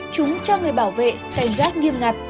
chúng cho người bảo vệ cảnh giác nghiêm ngặt